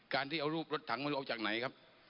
การที่เอารูปรถถังมาเอาจากไหนครับ